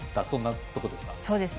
そんなところですか？